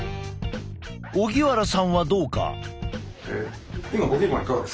荻原さんはどうか？